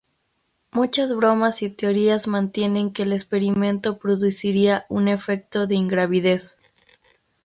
Muchas bromas y teorías mantienen que el experimento produciría un efecto de ingravidez.